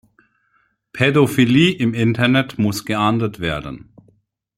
Pädophilie im Interne muss geahndet werden.